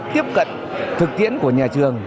tiếp cận thực tiễn của nhà trường